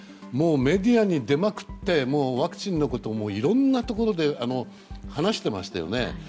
もう、メディアに出まくってワクチンのこともいろんなところで話していましたよね。